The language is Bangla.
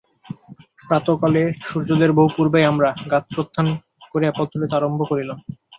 প্রাতঃকালে সূর্যোদয়ের বহু পূর্বেই আমরা গাত্রোত্থান করিয়া পথ চলিতে আরম্ভ করিলাম।